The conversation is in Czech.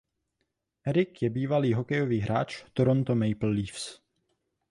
Eric je bývalý hokejový hráč Toronto Maple Leafs.